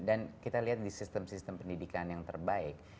dan kita lihat di sistem sistem pendidikan yang terbaik